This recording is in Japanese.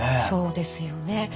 そうですよね。